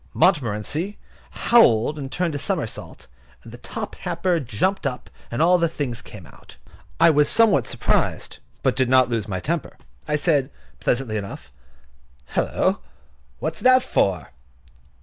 Montmorency howled, and turned a somersault, and the top hamper jumped up, and all the things came out. I was somewhat surprised, but I did not lose my temper. I said, pleasantly enough: "Hulloa! what's that for?"